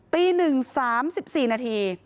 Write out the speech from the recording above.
ตีหนึ่ง๓๔นาที